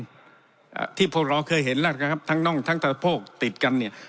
อ่าที่พวกเราเคยเห็นแล้วนะครับทั้งน่องทั้งสะโพกติดกันเนี่ย